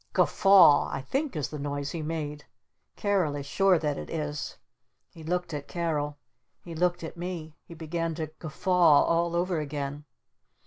"Guffaw" I think is the noise he made. Carol is sure that it is! He looked at Carol. He looked at me. He began to Guffaw all over again.